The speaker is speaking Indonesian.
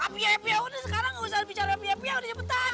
api api ya udah sekarang ga usah bicara api api ya udah cepetan ya